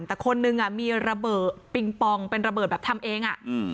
แต่คนนึงมีระเบิดปิงปองเป็นระเบิดแบบทำเอง